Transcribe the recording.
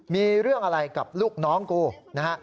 มีเรื่องอะไรกับลูกน้องกูนะฮะ